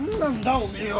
おめえは。